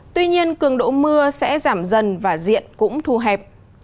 tuy nhiên cường độ mưa sẽ giảm dần và diện cũng thu hẹp